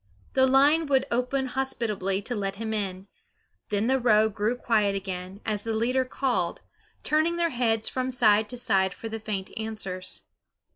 The line would open hospitably to let him in; then the row grew quiet again, as the leader called, turning their heads from side to side for the faint answers.